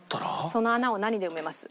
その穴を何で埋めます？